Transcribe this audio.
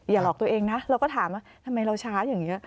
หลอกตัวเองนะเราก็ถามว่าทำไมเราช้าอย่างนี้